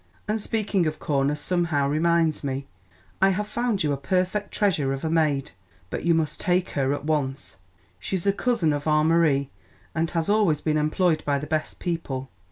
And speaking of corners somehow reminds me, I have found you a perfect treasure of a maid; but you must take her at once. She's a cousin of our Marie, and has always been employed by the best people.